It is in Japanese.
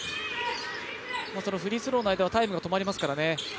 フリースローの間はタイムが止まりますからね。